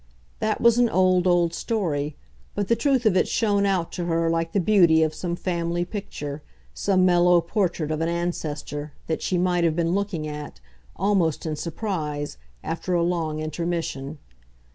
That was an old, old story, but the truth of it shone out to her like the beauty of some family picture, some mellow portrait of an ancestor, that she might have been looking at, almost in surprise, after a long intermission.